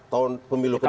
tahun pemilu ke depan